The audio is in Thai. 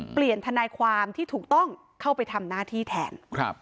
ทนายความที่ถูกต้องเข้าไปทำหน้าที่แทน